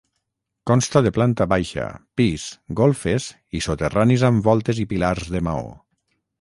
Consta de planta baixa, pis, golfes i soterranis amb voltes i pilars de maó.